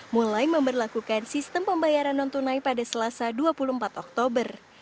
mulai memperlakukan sistem pembayaran non tunai pada selasa dua puluh empat oktober